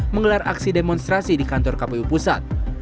menggelar aksi demonstrasi di kantor kpu pusat